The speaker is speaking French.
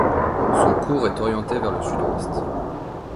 Son cours est orienté vers le sud-ouest.